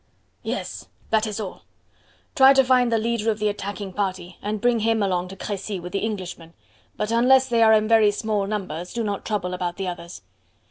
"Yes. That is all. Try to find the leader of the attacking party, and bring him along to Crecy with the Englishman; but unless they are in very small numbers do not trouble about the others.